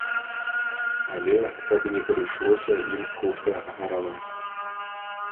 Але каб не прыйшлося ім хутка гараваць.